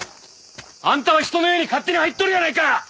あんたは人の家に勝手に入っとるやないか！